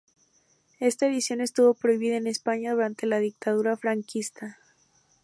Esta edición estuvo prohibida en España durante la dictadura franquista.